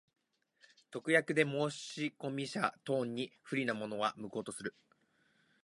特約で申込者等に不利なものは、無効とする。